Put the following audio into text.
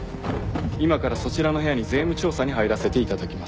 今からそちらの部屋に税務調査に入らせて頂きます。